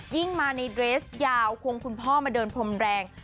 มาในเดรสยาวควงคุณพ่อมาเดินพรมแรง